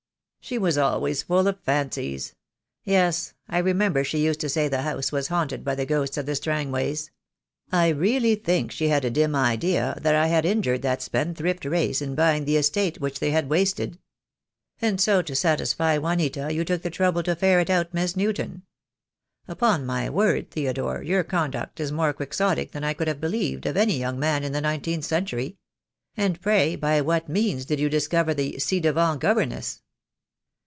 "She was always full of fancies. Yes, I remember she used to say the house was haunted by the ghosts of the Strangways. I really think she had a dim idea that I had injured that spendthrift race in buying the estate which they had wasted. And so to satisfy Juanita you took the trouble to ferret out Miss Newton? Upon my word, Theodore, your conduct is more Quixotic than I could have believed of any young man in the nineteenth century. And pray by what means did you discover the ci devant governess?"